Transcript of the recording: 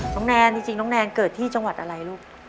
แนนจริงน้องแนนเกิดที่จังหวัดอะไรลูก